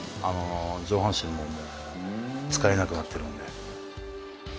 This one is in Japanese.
上半身ももう使えなくなってるんで。